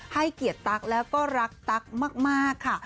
ให้เกียรติตั๊กแล้วก็รักตั๊กมากค่ะ